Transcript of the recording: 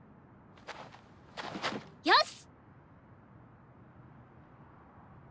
よし！